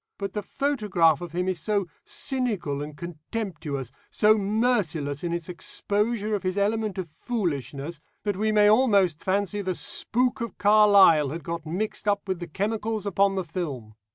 But the photograph of him is so cynical and contemptuous, so merciless in its exposure of his element of foolishness, that we may almost fancy the spook of Carlyle had got mixed up with the chemicals upon the film.